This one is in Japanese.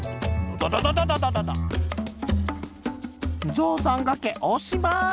「ぞうさんがけおしまーい！